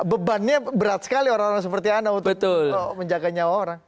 bebannya berat sekali orang orang seperti anda untuk menjaga nyawa orang